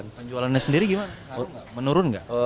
penjualannya sendiri gimana menurun nggak